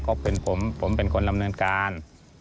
เขาเป็นผมผมเป็นคนดำเนินการ